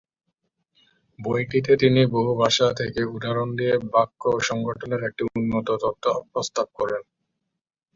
বইটিতে তিনি বহু ভাষা থেকে উদাহরণ দিয়ে বাক্য সংগঠনের একটি উন্নত তত্ত্ব প্রস্তাব করেন।